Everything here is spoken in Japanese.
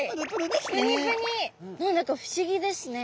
何だか不思議ですね。